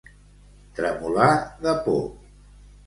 Tremolar de por.